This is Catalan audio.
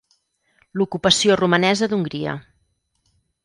L'ocupació romanesa d'Hongria.